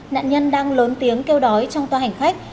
nạn nhân đang lớn tiếng kêu đói trong toa hành khách